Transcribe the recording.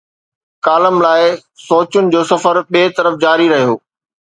Column لاءِ، سوچن جو سفر ٻئي طرف جاري رهيو.